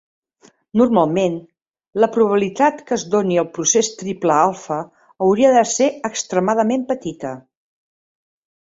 Normalment, la probabilitat que es doni el procés triple alfa hauria de ser extremadament petita.